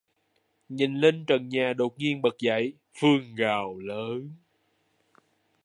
nhìn lên trần nhà đột nhiên bật dạy, Phương gào lớn